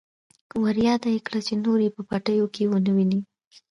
ورياده يې کړه چې نور يې په پټيو کې ونه ويني.